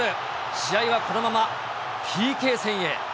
試合はこのままＰＫ戦へ。